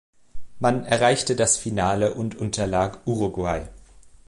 Man erreichte das Finale und unterlag Uruguay.